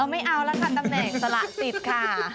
ไม่เอาแล้วค่ะตำแหน่งสละสิทธิ์ค่ะ